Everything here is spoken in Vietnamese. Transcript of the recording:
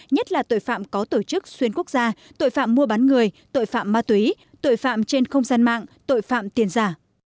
nhất là tội phạm có tổ chức xuyên quốc gia tội phạm mua bán người tội phạm ma túy tội phạm trên không gian mạng tội phạm tiền giả